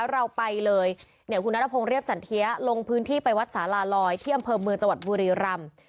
เราไปเลยเนี่ยคุณนตรพงษ์เรียบสัญเทียลงพื้นที่ไปวัดสารลลอยที่อำเภอเมียเจาะบุรีรรัม